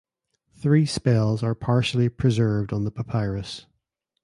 Three spells are partially preserved on the papyrus.